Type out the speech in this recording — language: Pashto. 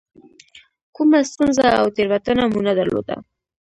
کومه ستونزه او تېروتنه مو نه درلوده.